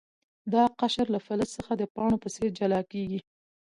دا قشر له فلز څخه د پاڼو په څیر جلا کیږي.